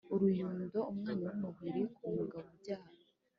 uruyundo: umwanya w’umubiri ku mugabo ubyara